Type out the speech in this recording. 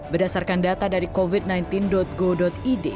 berdasarkan data dari covid sembilan belas go id